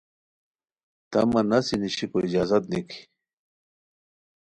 تہ مہ نسی نشیکو اجازت نیکی